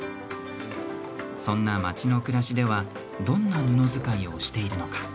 そんな街の暮らしではどんな布使いをしているのか。